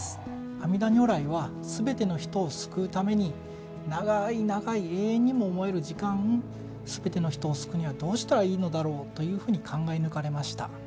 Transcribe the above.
阿弥陀如来はすべての人を救うために長い長い、永遠にも思える時間すべての人を救うにはどうしたらいいのだろうというふうに考え抜かれました。